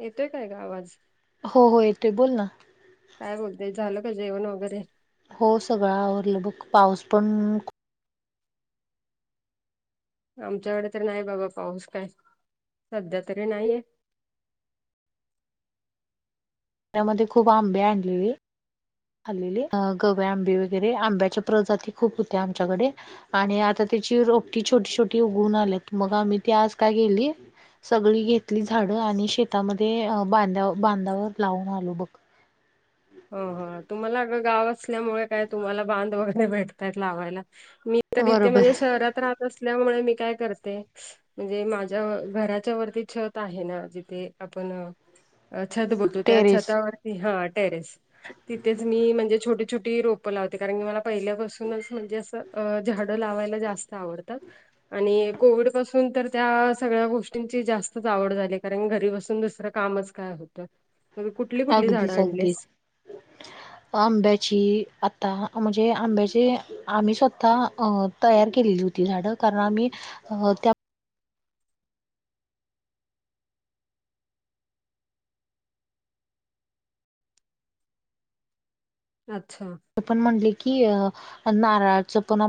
येतोय काय ग आवाज? हो हो येतो बोल ना, काय बोलतय झालं का जेवण वगैरे? हो सगळं आवरलं बघ पाऊस पण आमच्याकडे तर नाही बाबा पाऊस काय? सध्या तरी नाहीये. त्यामध्ये खूप आंबे आणलेले. खालेली गव्या आंबे वगैरे आंब्याच्या प्रजाती खूप होत्या आमच्याकडे. आणि आता त्याची रोपटी छोटी छोटी उगवून आल्यात मग आम्ही ती आज का गेली सगळी घेतली झाडं आणि शेतामध्ये बांध्या बांधावर लावून आलो बघ. हो हो तुम्हाला अग गाव असल्यामुळे काय? तुम्हाला बांध वगैरे भेटतायत लावायला मी तर इथे बरोबर म्हणजे शहरात राहत असल्यामुळे मी काय करते? म्हणजे माझ्या घराच्या वरती छत आहे ना, जिथे आपण, छत बोलतो त्या टेरेस छतावरती हा टेरेस तिथेच मी म्हणजे छोटी छोटी रोपं लावते कारण की मला पहिल्यापासूनच म्हणजे असं अ झाडं लावायला जास्त आवडतात आणि कोविड पासून तर त्या सगळ्या गोष्टींची जास्तच आवड झाली. कारण घरी बसून दुसरं, कामच काय होतं कुठली कुठली झाडं अगदीच आणलीस. अगदीच आंब्याची आता म्हणजे आंब्याची आम्ही स्वतः तयार केलेली होती झाडं कारण आम्ही त्या अच्छा! पण म्हणले की अ नारळाचं पण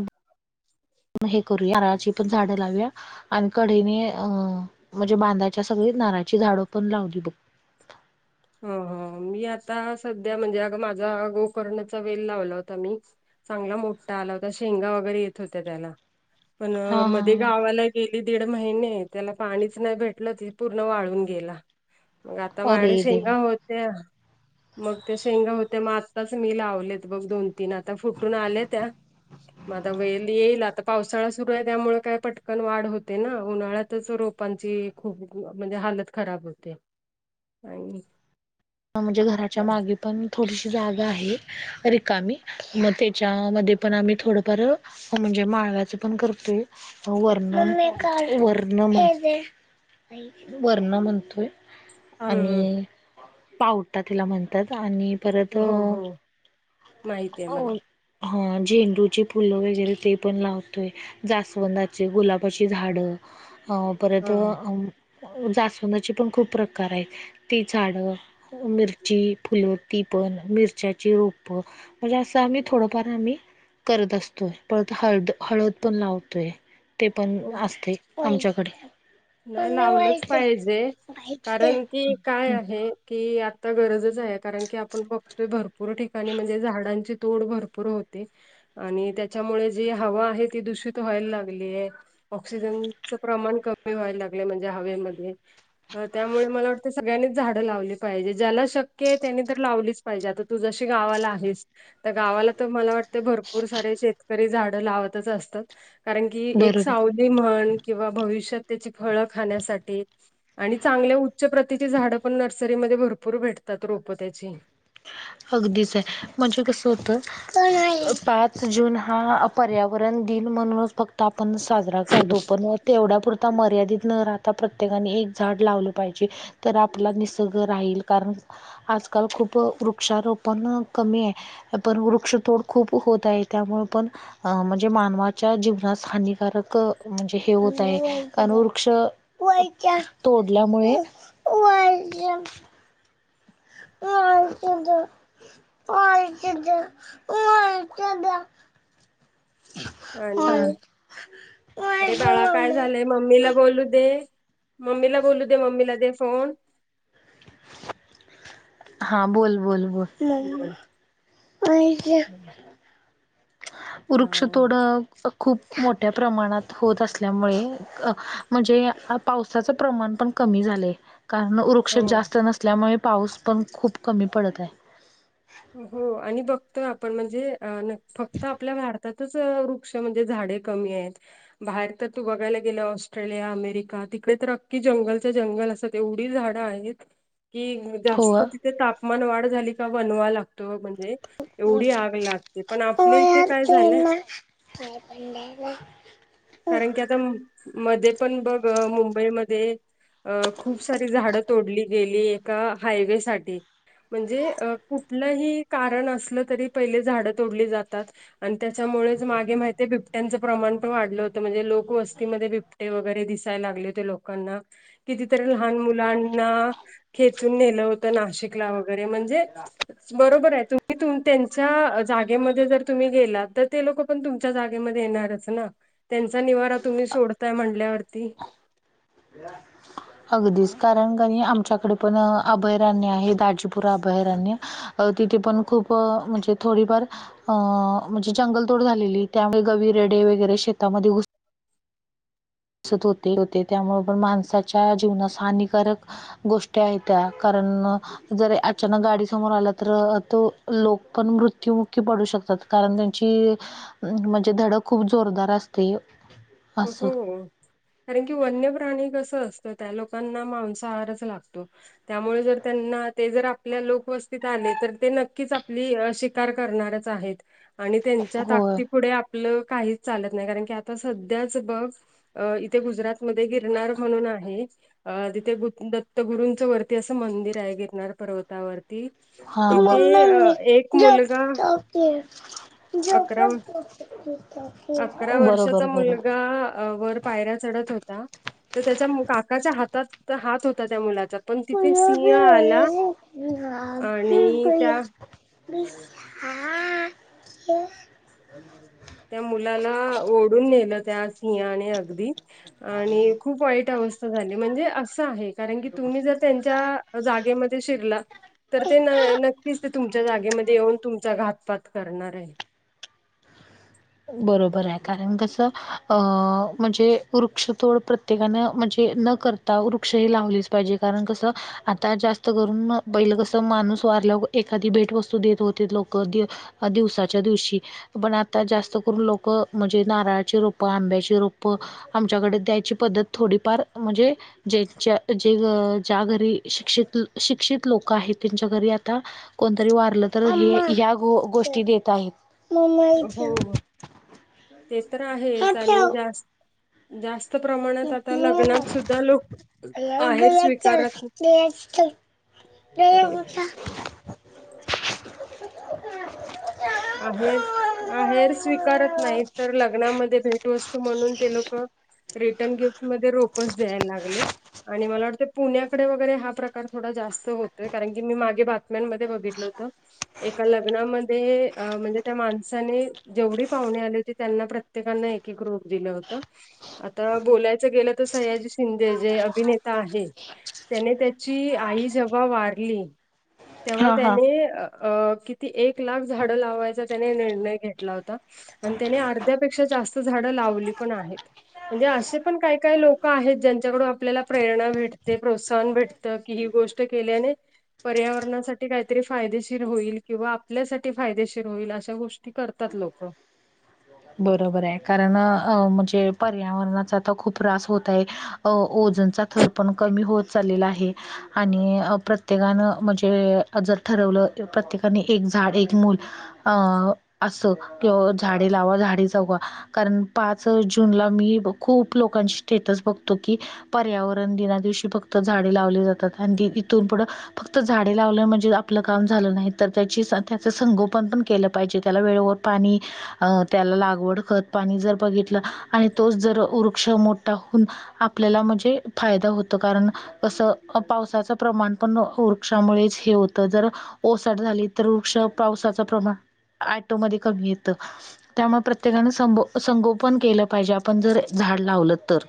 मग हे करूया नारळाची पण झाडं लावूया. आणि कडेने अ म्हणजे बांधाच्या सगळी नारळाची झाडं पण लावली बघ. हो हो मी आता सध्या म्हणजे अग माझा गोकर्णाचा वेल लावला होता मी. चांगला मोठा आला होता. शेंगा वगैरे येत होत्या त्याला पण हा हा मध्ये हा. गावाला, गेली दीड महिने त्याला पाणीच नाही, भेटलं ते पूर्ण वाळून गेला मग आता माझ्याकड अरे देवा शेंगा होत्या. मग त्या शेंगा होत्या मग आत्ताच मी लावलेत बघ दोन, तीन आता फुटून आले त्या, मग आता वेल येईल आता पावसाळा सुरू आहे. त्यामुळे काय पटकन वाढ होते ना उन्हाळ्यातच रोप पाची खूप म्हणजे हालत खराब होते. आणि हा म्हणजे घराच्या हम्म मागे पण, थोडीशी जागा आहे रिकामी मग त्याच्यामध्ये पण आम्ही थोडंफार हा म्हणजे माळवयाच पण करतोय वरणा [unintelligible] वरणा म्हणतोय हम्म आणि पावटा तिला म्हणतात [unintelligible] आणि परत हो हो माहिती आहे मला हा झेंडूची फुलं वगैरे ते पण लावतोय. जास्वंदची गुलाबाची झाड अ हा परत जास्वंदाची पण खूप प्रकार आहेत ती झाडं, मिरची, फुल, ती पण मिरच्याची रोपं म्हणजे असं आम्ही थोडंफार आम्ही करत असतोय परत हळद हळद पण लावतोय ते पण हो असते आमच्याकडे नाही मम्मी लावलंच पाहिजे कारण की काय हं, आहे की आता गरजच आहे कारण की आपण बघतोय भरपूर ठिकाणी म्हणजे झाडांची तोड भरपूर होते आणि त्याच्यामुळे जी हवा आहे ती दूषित व्हायला लागलीय ऑक्सिजनचं प्रमाण क मी व्हायला लागले म्हणजे हवेमध्ये अ त्यामुळे मला वाटत सगळ्यांनी झाड लावली पाहिजे ज्याला शक्य आहे त्यानी तर लावलीच पाहिजे आता तू जशी गावाला आहेस तर गावाला तर मला वाट भरपूर सारे शेतकरी झाडं लावतच असतात कारण एक बरोबर. सावली ती म्हण किंवा भविष्यात त्याची फळ खाण्यासाठी आणि चांगल्या उच्च प्रतीची झाडं पण नर्सरीमध्ये भरपूर भेटतात रोपं त्याची अगदीच आहे म्हणजे कसं होतं पाच जून हा पर्यावरण दिन म्हणूनच फक्त आपण साजरा करतो पण तेवढ्यापुरता मर्यादित न राहता प्रत्येकाने एक झाड लावलं पाहिजे तर आपला निसर्ग राहील कारण आजकाल खूप वृक्ष वृक्षारोपण कमी आहे पण वृक्षतोड खूप होत आहे त्यामुळे पण अ म्हणजे मानवाच्या जीवनास हानिकारक म्हणजे हे होत आहे कारण वृक्ष वायच्या तोडल्यामुळे वाय वयाचा दया [unintelligible] आणि मम्मी अरे बाळा काय झालंय मम्मीला बोलू दे मम्मीला बोलू दे मम्मीला दे फोन हा बोल बोल बोल [unintelligible] वृक्ष हा तोडं खूप मोठ्या प्रमाणात होत असल्यामुळे अ म्हणजे पावसाचं प्रमाण पण कमी झालय कारण वृक्ष हो जास्त नसल्यामुळे पाऊस पण खूप कमी पडत आहे हो आणि बघतोय आपण म्हणजे अ न फक्त आपल्या भारतातच वृ क्ष म्हणजे झाडे कमी आहेत बाहेर तर तू बघायला गेलं ऑस्ट्रेलिया अमेरिका तिकडे तर अख्खी जंगलच्या जंगल असं एवढी झाडं आहेत [inaudible] कि जास्त हो. तिथे तापमान वाढ झाली का वनवा ला त म्हणजे एवढी आग लागते पण आपल्या इथे काय झालंय हा प [unintelligible] कारण की आता म.. मध्ये पण बघ मुंबईमध्ये अ खूप सारी झाडं तोडली गेली एका हायवे साठी म्हणजे अ कुठलंही कारण असलं तरी पहिले झाडं तोडली जातात आणि त्याच्यामुळेच मागे माहिताय बिबट्यांचं प्रमाण पण वाढलं होतं म्हणजे लोकवस्तीमध्ये बिबटे वगैरे दिसायला लागले होते लोकांना किती तरी लहान मुलांना खेचून नेलं होत नाशिकला वगैरे म्हणजे बरोबर आहे तुम्ही तुम.. त्यांच्या जागेमध्ये जर तुम्ही गेलात तर ते लोकं पण तुमच्या जागेमध्ये येणारच ना त्यांचा निवारा तुम्ही सोडताय म्हणल्यावरती या [unintelligible] अगदीच कारण कणी आमच्याकडे पण अभयारण्य आहे दाजीपुरा अभयारण्य अ तिथे पण खूप म्हणजे थोडीफार अ.. म्हणजे जंगलतोड झालेली त्यामुळे गवी रेडे वगैरे शेतामध्ये घुस सत होते होते त्यामुळे पण माणसाच्या जीवनास हानिकारक गोष्ट्या आहेत त्या कारण जरी अचानक गाडी समोर आलं तर तो लोक पण मृत्युमुखी पडू शकतात कारण त्यांची हा. म्हणजे धडक खूप जोरदार असते असं कसय कारण की वन्य प्राणी कसं असतं त्या लोकांना मांसाहारच लागतो त्यामुळे जर त्यांना ते जर आपल्या लोकवस्तीत आले तर ते नक्कीच आपली अ शिकार करणारच आहेत आणि त्यांच्या होय ताकदीपुढे आपलं काहीच चालत नाही कारण की आता सध्याच बघ अ इथे गुजरात मध्ये गिरणार म्हणून आहे अ तिथे गु. दत्तगुरूंचं वरती असं मंदिर आहे गिरणार पर्वतावरती ह म तिथे अ मम्मी एक मुलगा झोपतो अकरा की अकरा वर्षाचा बरोबर बरोबर. मुलगा वर पायरा चढत होता तर त्याच्या काकाच्या हातात हात होता त्या मुलाचा पण तिथे सिंह आला आणि त्या हा ह ह त्या मुलाला ओढून नेलं त्या सिंहाने अगदी आणि खूप वाईट अवस्था झाली म्हणजे असं आहे. कारण की, तुम्ही जर त्यांच्या जागेमध्ये शिरला तर ते नक्कीच तुमच्या जागेमध्ये येऊन तुमचा घातपात करणार आहे बरोबर आहे कारण कस अ.. म्हणजे वृक्षतोड प्रत्ये त्येकानं म्हणजे न करता वृक्षही लावलीच पाहिजे कारण कसं आता जास्त करून पहिलं कस माणूस वारल्या एखादी भेटवस्तू देत होते लोक दिवसाच्या दिवशी पण आता जास्त स्त करून लोक म्हणजे नारळाची रोपं, आंब्याची रोप आमच्याकडे द्यायची पद्धत थोडीफार म्हणजे ज्यांच्या जे ज्या घरी शिक्षित शिक्षित लोक आहेत त्यांच्या घरी आता कोणतरी वारलं तर ह गोष्टी देत हो आहेत हो. ते तर हे आहेच आणि ठेव जास्त जास्त प्रमाणात आता लग्नात सुद्धा लोक आहेर स्वीकारत नाही तेथ अरे आहेच आहेर स्वीकारत नाही तर लग्नामध्ये भेटू असतो म्हणून ते लोक रिटर्न गिफ्टमध्येध्ये रोपच द्यायला लागलेत आणि मला वाटतं पुण्याकडे वगैरे हा प्रकार थोडा जास्त होतोय कारण की मी मागे बातम्यांमध्ये बघितलं होतं एका लग्नामध्ये अ म्हणजे त्या माणसाने जेवढी पाहुणे आली होती त्यांना प्रत्येकाना एक एक रूप दिलं होतं आता बोलायचं गेलं तर सयाजी शिंदे जे अभिनेता आहे त्याने त्याची आई जेव्हा वारली तेव्हा हा हा त्याने अ किती? एक लाख झाड लावायचा त्याने निर्णय घेतला होता पण त्याने अर्ध्यापेक्षा जास्त झाडं लावली पण आहेत. म्हणजे असे पण काही काही लोक आहेत ज्यांच्याकडून आपल्याला प्रेरणा भेटते प्रोत्साहन भेटते की ही गोष्ट केल्याने पर्यावरणासाठी काहीतरी फायदेशीर होईल किंवा आपल्यासाठी फायदेशीर होईल अशा गोष्टी करतात लोक बरोबर आहे कारण अ म्हणजे पर्यावरणाचा तर खूप त्रास होत आहे अ ओजनचा थर पण कमी होत चाललेला आहे आणि प्रत्येकानं म्हणजे जर ठरवलं प्रत्येकाने एक झाड एक मूल अ असं किंवा झाडे लावा झाडे जगवा कारण पाच जूनला मी खूप लोकांची स्टेटस बघतो की पर्यावरण दिनादिवशी फक्त झाडे लावली जातात, आणि दी ईथून पुढं फक्त झाडे लावलं म्हणजे आ पलं काम झालं नाही, तर त्याची त्याच संगोपण पण केलं पाहिजे. त्याला वेळेवर पाणी अ त्याला लागवड खत पाणी जर बघितलं आणि तोच जर वृक्ष मोठा हून आपल्याला म्हणजे फायदा होत, कारण कस पावसाच प्रमाण पण हो क्षामुळेच हे होत, जर ओसाट झाली तर वृक्ष पावसाचं प्रमाण ॲटोमधी कमी येतं त्यामुळं प्रत्येकानं संबो संगोपन केलं पाहिजे, आपण जर झाड लावलं तर.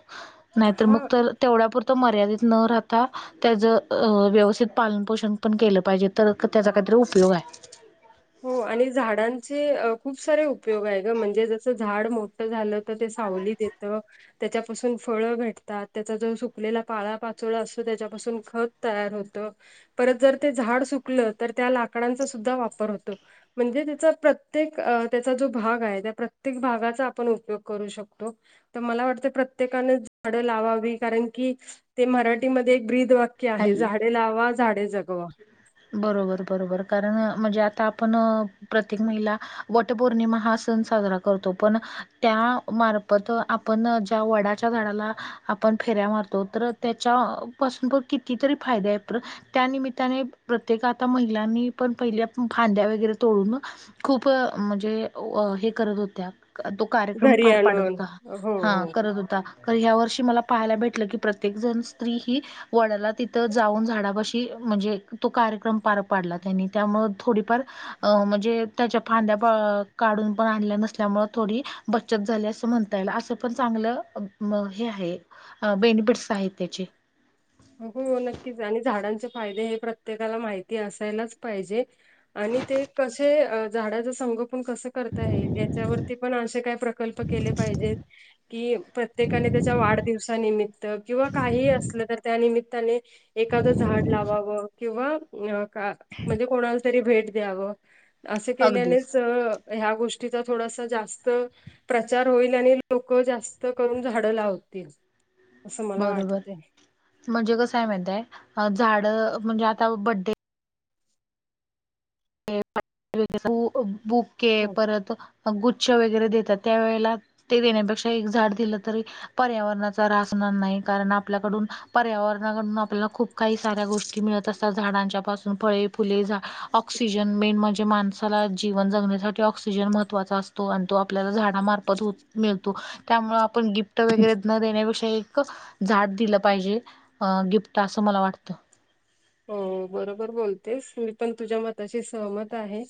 नाहीतर हा मग तर तेवढ्या पुुरत मर्यादित न राहता तेज अ व्यवस्थित पालनपोषण पण केलं पाहिजे, तर तेजा काहीतरी उपयोग हाय. हो आणि झाडांचे खूप सारे उपयोग हाय ग, म्हणजे जसं झाड मो ट झालं तर ते सावलीत देतं त्याच्यापासून फळ भेटतात, त्याचा जो सुकलेला पाळा पाचोळा असतो त्याच्यापासून खत तयार होत, परत जर ते झाड सुकलं तर त्या लाकडांचा सुद्धा वापर होतो. म्हणजे त्याचा प्रत्येक अ त्याचा जो भाग हाय, त्या प्रत्येक भागाचा आपण उपयोग करू शकतो. त मला वाटतं प्रत्येकानं झाडं लावावी, कारण की ते मराठी मध्ये एक ब्रीद वा क्य आहे हॅल झाडे लावा झाडे जगवा [inaudible] बरोबर बरोबर. कारण म्हणजे आता आपण प्रत्येक महिला वटपौर्णिमा हा सण साजरा करतो पण त्या मार्फत आपण ज्या वडाच्या झाडाला आपण फेऱ्या मारतो, तर त्याच्यापसून प किती तरी फायदे आहेत प्र त्यानिमि त्याने प्रत्येक आता महिलांनी पण पहिले फांद्या वगैरे तोडून खूप म्हणजे व हे करत होत्या अ तो कार्यक्रम घरी पार पाडत आणून हुता. हो हा हो करत हुता खर ह्या वर्षी मला पाहायला भेटलं की प्रत्येक जण स्त्री ही वडाला तिथं जाऊन झाडापशी म्हणजे तो कार्यक्रम पार पाडला त्यांनी त्यामुळं थोडीफार अ म्हणजे त्याच्या फांद्या प काढून पण आणल्या नसल्यामुळे थोडी बचत झाली असं म्हणता येईल, असं पण चांगलं म हे आहे अ बेनिफिट्स आहेत त्याचे हो नक्कीच, आणि झाडांचे फायदे हे प्रत्येकाला माहिती असायलाच पाहिजे. आणि ते कशे अ झाडाच संग पण कसं करता येईल, याच्यावरती पण अशे काय प्रकल्प केले पाहिजेत कि प्रत्येकाने त्याच्या वाढदिवसानिमित्त किंवा काहीही असलं तर त्या निमित्ताने एखादं झाड लावावं किंवा अ का म्हणजे कोणाला तरी भेट द्यावं, असे अगदीच केल्यानेच ह्या गोष्टीचा थोडासा जास्त प्रचार होईल आणि लोक जास्त करून झाडं लावतील. असं मला बरोबर. वाटतंय. म्हणजे कसय माहिताय अ झाड म्हणजे आता बडे बु बुके हो. परत अ गुच्छ वगैरे देतात, त्यावेेळेला ते देण्यापेक्षा एक झाड दिलं तरी पर्यावरणाचा ऱ्हास हुनार नाई कारण, आपल्याकडून पर्यावरणाकडून आपल्याला खूप काही साऱ्या गोष्टी मिळत असतात झाडांच्या पासून फळे, फुले झा ऑक्सिजन मेन म्हणजे माणसाला जीवन जगण्यासाठी ऑक्सिजन महत्वाचा असतो आणि तो आपल्याला झाडामार्फत हो मिळतो. त्यामुळं आपण गिफ्ट वगैरे न देण्यापेक्षा एक क झाड दिलं पाहिजे अ गिप्ट असं मला वाटतं. हो बरोबर बोलतेस, मी पण तुझ्या मताशी सहमत आहे.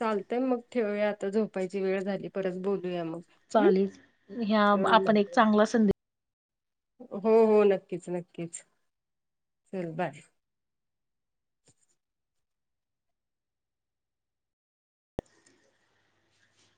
चालतय मग ठेवूया आता झोपायची वेळ झाली परत बोलूया मग. हम्म. चाले ह्या म चल आपण मग एक बाय. चांगला संदे हो हो, नक्कीच नक्कीच, चल बाय.